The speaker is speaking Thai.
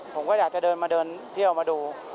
ผมก็อยากจะเดินมาเดินเที่ยวมาดู